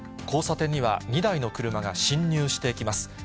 交差点には２台の車が進入してきます。